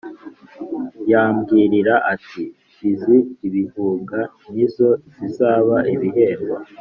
yambwira ati Iz ibihuga ni zo zizaba ibihembo